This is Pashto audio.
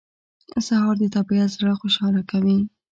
سهار د طبیعت زړه خوشاله کوي.